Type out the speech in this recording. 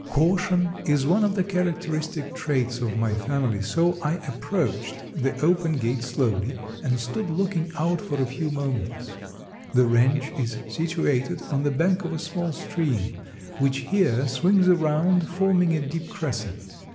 Caution is one of the characteristic traits of my family, so I approached the open gate slowly and stood looking out for a few moments. The ranch is situated on the bank of a small stream, which here swings around, forming a deep crescent.